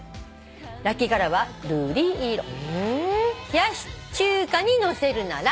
「冷やし中華にのせるなら」